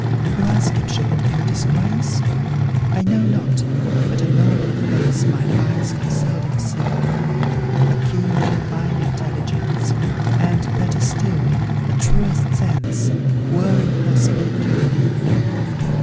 You ask if she had beauty's grace? I know not but a nobler face My eyes have seldom seen; A keen and fine intelligence, And, better still, the truest sense Were in her speaking mien.